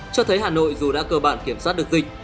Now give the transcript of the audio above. cho thấy hà nội dù đã cơ bản kiểm soát được dịch